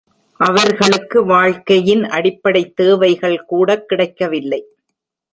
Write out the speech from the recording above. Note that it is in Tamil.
அவர்களுக்கு வாழ்க்கையின் அடிப்படைத் தேவைகள் கூடக் கிடைக்கவில்லை.